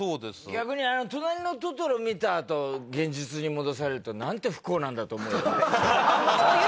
逆に『となりのトトロ』見たあと現実に戻されるとなんて不幸なんだと思うよね。